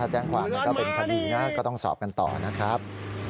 ถ้าแจ้งความเป็นคณีก็ต้องสอบกันต่อนะครับ